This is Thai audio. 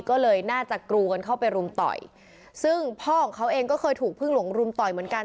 ก็เลยน่าจะกรูกันเข้าไปรุมต่อยซึ่งพ่อของเขาเองก็เคยถูกพึ่งหลวงรุมต่อยเหมือนกัน